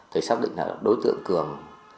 thì xác định là đối tượng cường